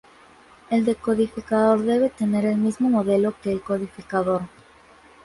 El decodificador debe tener el mismo modelo que el codificador.